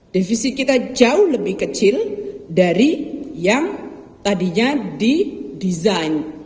defisi kita jauh lebih kecil dari yang tadinya di design